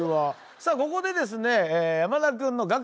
さあここでですね。